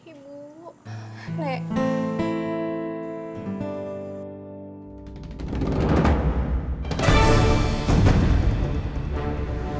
biar diberi komisi umur cepetan